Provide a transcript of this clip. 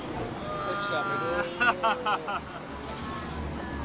eh siapa itu